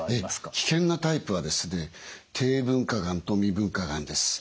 危険なタイプはですね低分化がんと未分化がんです。